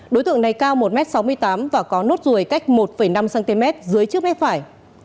đối tượng này cao một m sáu mươi tám và có nốt ruồi cách một năm cm dưới trước mép phải